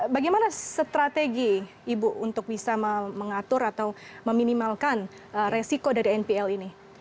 bagaimana strategi ibu untuk bisa mengatur atau meminimalkan resiko dari npl ini